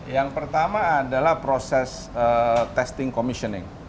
yang pertama adalah proses testing commissioning